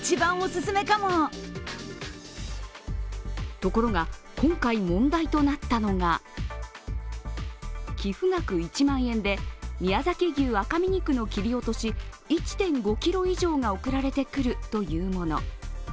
ところが今回問題となったのが寄付額１万円で宮崎牛赤身肉の切り落とし１．５ｋｇ以上が送られてくるというもの。